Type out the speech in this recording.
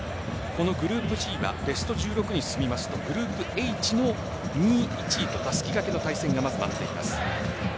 このグループＧはベスト１６に進むとグループＨの２位、１位とたすきがけの対戦がまず待っています。